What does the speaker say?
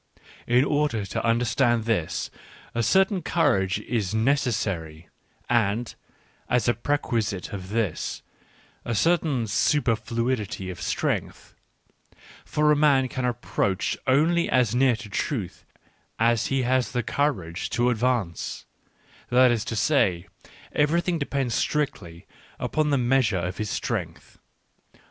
In order to understand this, a certain courage is neces sary, and, as a prerequisite of this, a certain super fluity of strength : for a man can approach only as near to truth as he has the courage to advance — that is to say, eve rything depends strict ly upon the me^ sure of his strengt h.